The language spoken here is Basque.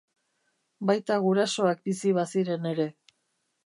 Baita gurasoak bizi baziren ere.